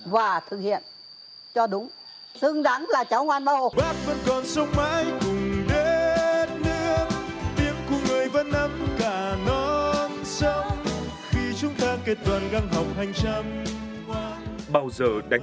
và thực hiện cho đúng